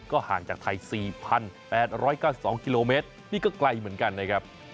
ห่างจากไทย๔๘๙๒กิโลเมตรนี่ก็ไกลเหมือนกันนะครับ